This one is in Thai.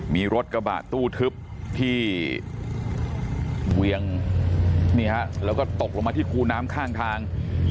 มีรถกระบะตู้ทึบที่เวียงแล้วก็ตกลงมาที่คูน้ำข้างทาง